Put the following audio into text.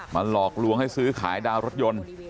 หลอกลวงให้ซื้อขายดาวรถยนต์